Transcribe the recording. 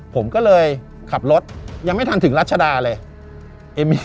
ผมก็เลยขับรถยังไม่ทันถึงรัชดาเลย